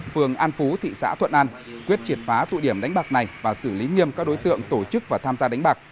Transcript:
phường an phú thị xã thuận an quyết triệt phá tụ điểm đánh bạc này và xử lý nghiêm các đối tượng tổ chức và tham gia đánh bạc